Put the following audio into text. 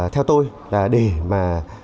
theo tôi là để mà